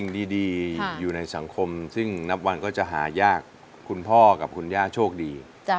ดีอยู่ในสังคมซึ่งนับวันก็จะหายากคุณพ่อกับคุณย่าโชคดี